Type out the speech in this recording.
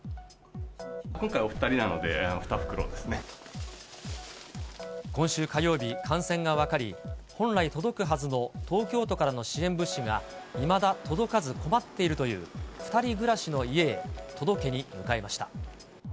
今回、今週火曜日、感染が分かり、本来届くはずの東京都からの支援物資がいまだ届かず困っているという２人暮らしの家へ届けに向かいました。